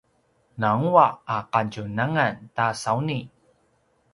nangeaq a kadjunangan ta sauni